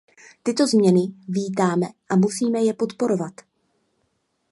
Tyto změny vítáme a musíme je podporovat.